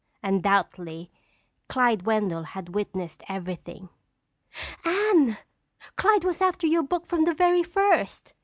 Undoubtedly, Clyde Wendell had witnessed everything. "Anne, Clyde was after your book from the very first!"